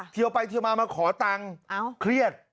เทียวไปเทียวมามาขอตังค์